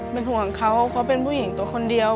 เป็นห่วงเขาเขาเป็นผู้หญิงตัวคนเดียว